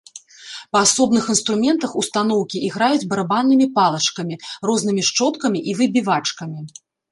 Па асобных інструментах устаноўкі іграюць барабаннымі палачкамі, рознымі шчоткамі і выбівачкамі.